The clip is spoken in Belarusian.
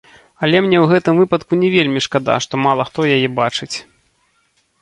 Але мне ў гэтым выпадку не вельмі шкада, што мала хто яе бачыць.